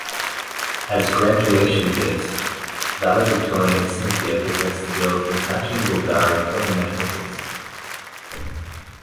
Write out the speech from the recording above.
As graduation gifts, valedictorian Cynthia presents the girls with matching Bulgari pearl necklaces.